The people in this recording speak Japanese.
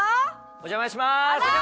お邪魔します！